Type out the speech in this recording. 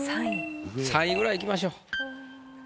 ３位ぐらいいきましょう。